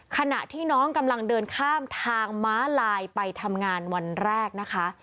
ขณะที่น้องกำลังเดินข้ามทางม้าลายไปทำงานวันแรกนะคะ